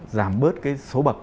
giảm bớt cái số bậc